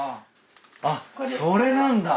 あっそれなんだ。